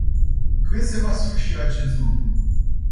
Când se va sfârși acest lucru?